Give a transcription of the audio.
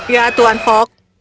ya tuan fogg